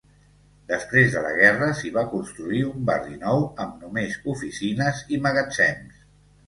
Després de la guerra s'hi va construir un barri nou amb només oficines i magatzems.